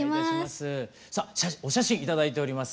さあお写真頂いております。